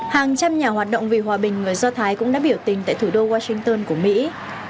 hàng trăm nhà hoạt động vì hòa bình người do thái cũng đã biểu tình tại thủ đô washington của mỹ